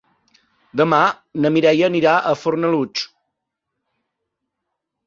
Demà na Mireia anirà a Fornalutx.